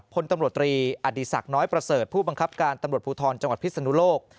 พลตำรวจตรีอดีศักดิ์น้อยประเสริฐผู้บังคับการตำรวจภูทรจังหวัดพิศนุโลก